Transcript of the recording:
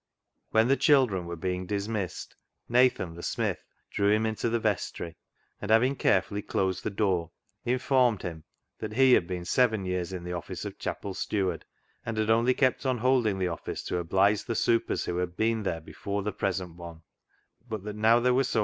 When the children were being dismissed, Nathan, the smith, drew him into the vestry ; and having carefully closed the door, informed him that he had been seven years in the office of chapel steward, and had only kept on holding the office to oblige the " supers " who had been there before the present one, but J7H c:ix){; siior (MIUoniclks ih.il iu)w tlu'ic we'll" so m.